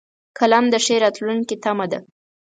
قلم د ښې راتلونکې تمه ده